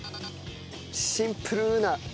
シンプルな。